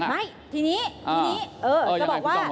ไม่ทีนี้ทีนี้เออ